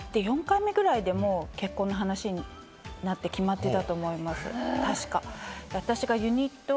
会って４回目ぐらいで、もう結婚の話になって決まってたと思います、確か。